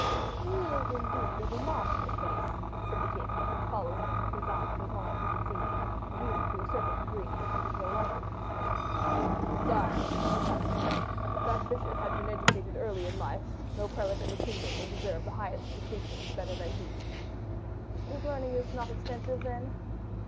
"He is, indeed, a remarkable face," said the king, following him with his eyes as long as he could see him, and even to a certain degree when he was no longer to be seen. "Sire," replied Fouquet, "if that bishop had been educated early in life, no prelate in the kingdom would deserve the highest distinctions better than he." "His learning is not extensive, then?"